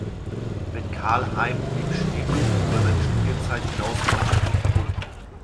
Mit Karl Heim blieb Schnepel über seine Studienzeit hinaus freundschaftlich verbunden.